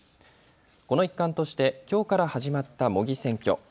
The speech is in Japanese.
この一環としてきょうから始まった模擬選挙。